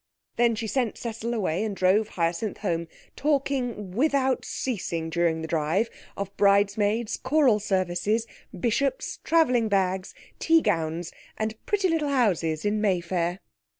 Then she sent Cecil away and drove Hyacinth home, talking without ceasing during the drive of bridesmaids, choral services, bishops, travelling bags, tea gowns, and pretty little houses in Mayfair.